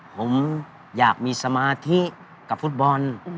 ผมอยากมีสมาธิกับฟุตบอล